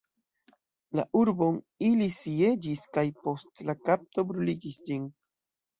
La urbon ili sieĝis kaj, post la kapto, bruligis ĝin.